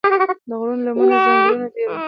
د غرونو لمنو کې ځنګلونه ډېر وي.